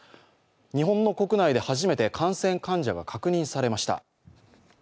日本の国内で初めて感染患者が確認されました。